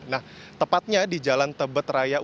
nah tepatnya di jalan tebet raya